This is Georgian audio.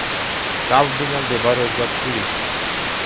შტაბ-ბინა მდებარეობდა თბილისში.